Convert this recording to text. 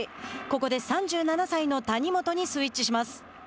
ここで３７歳の谷元にスイッチします。